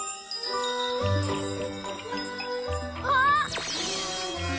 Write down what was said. あっ！